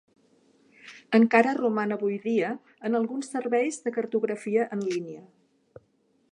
Encara roman avui dia en alguns serveis de cartografia en línia.